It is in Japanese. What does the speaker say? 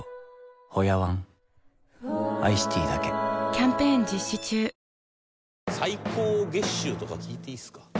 キリン「陸」最高月収とか聞いていいですか？